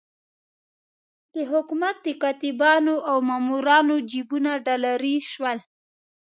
د حکومت د کاتبانو او مامورانو جېبونه ډالري شول.